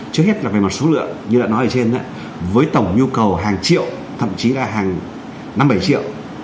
trước hết là về mặt số lượng như đã nói ở trên với tổng nhu cầu hàng triệu thậm chí là hàng năm bảy triệu